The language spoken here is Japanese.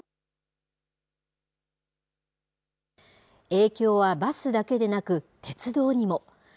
影響はバスだけでなく、鉄道にも。